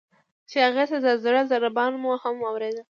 چې د هغې د زړه ضربان مو هم اوریده.